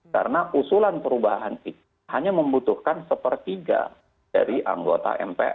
karena usulan perubahan itu hanya membutuhkan sepertiga dari anggota mpr